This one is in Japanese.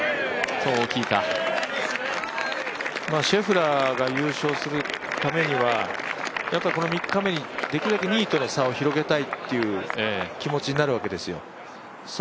シェフラーが優勝するためにはこの３日目に、できるだけ２位との差を広げたいっていう気持ちになるわけですよ。